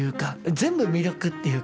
全部魅力っていうか。